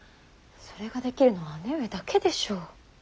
それができるのは姉上だけでしょう。